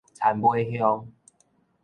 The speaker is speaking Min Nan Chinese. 田尾鄉